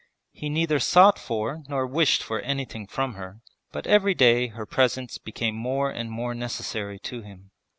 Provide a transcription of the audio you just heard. He neither sought for nor wished for anything from her, but every day her presence became more and more necessary to him.